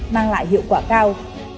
mang lại hiệu quả cao